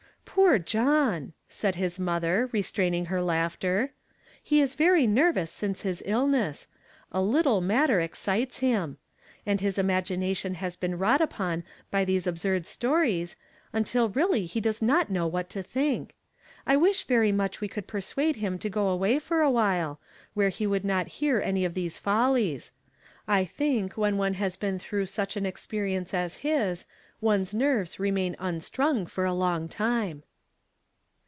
" Poor John !" said his mother, restraining her laughter. " He is very nervous since his illness. A little matter excites him; and his imagination has been wrought upon by these absurd stories, until really he does not know what to think. I wish very much we could pei'suade him to go away for awhile, where he would not lu'ar any of these follies. I think when one has been through such an experience as his, one's nerves remain unstrung for a long time."